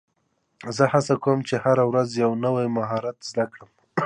زه هڅه کوم، چي هره ورځ یو نوی مهارت زده کړم.